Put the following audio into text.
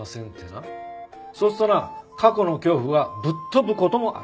そうするとな過去の恐怖がぶっ飛ぶ事もある。